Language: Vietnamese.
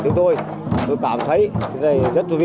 chúng tôi tôi cảm thấy rất vui